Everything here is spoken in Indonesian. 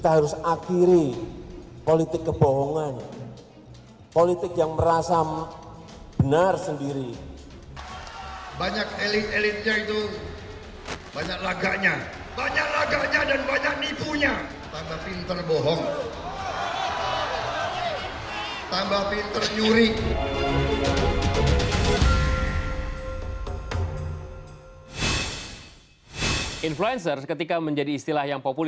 jangan lupa subscribe channel ini dan tekan tombol bel untuk dapat informasi terbaru